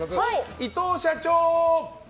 伊藤社長！